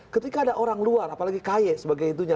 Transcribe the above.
ketika ada orang luar apalagi kaya sebagainya